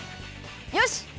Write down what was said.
よし！